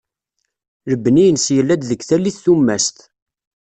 Lebni-ines yella-d deg tallit tummast.